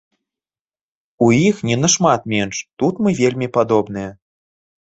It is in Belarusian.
У іх не нашмат менш, тут мы вельмі падобныя.